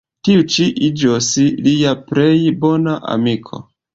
Tiu ĉi iĝos lia plej bona amiko.